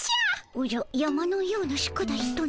おじゃ山のような宿題とな？